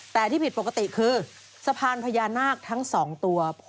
แต่ที่ผิดปกติคือสะพานพญานาคทั้ง๒ตัว